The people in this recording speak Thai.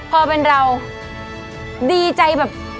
พอเป็นเราดีใจแบบ